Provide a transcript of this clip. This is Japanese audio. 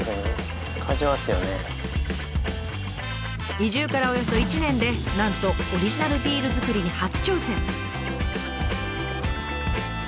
移住からおよそ１年でなんとオリジナルビールづくりに初挑戦！